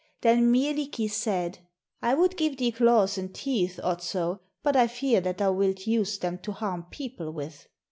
Then Mielikki said: "I would give thee claws and teeth, Otso, but I fear that thou wilt use them to harm people with."